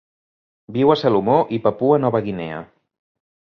Viu a Salomó i Papua Nova Guinea.